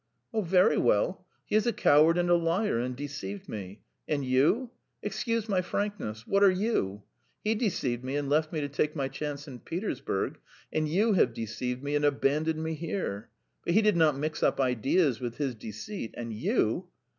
"Oh, very well. He is a coward and a liar, and deceived me. And you? Excuse my frankness; what are you? He deceived me and left me to take my chance in Petersburg, and you have deceived me and abandoned me here. But he did not mix up ideas with his deceit, and you